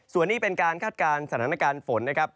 ส่วนนี้เป็นการคาดการณ์สถานการณ์ฝนนะครับ